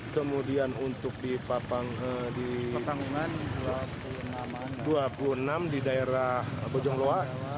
kemudian untuk di papang di dua puluh enam di daerah bojongloa